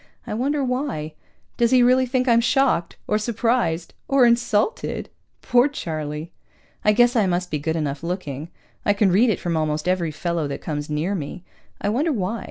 I wonder why? Does he really think I'm shocked? Or surprised? Or insulted? Poor Charlie! I guess I must be good enough looking. I can read it from almost every fellow that comes near me. I wonder why?